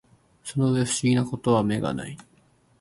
その上不思議な事は眼がない